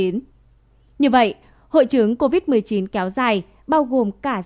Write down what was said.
như vậy hội chứng covid một mươi chín kéo dài bao gồm cả giai đoạn covid một mươi chín